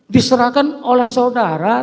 diserahkan oleh saudara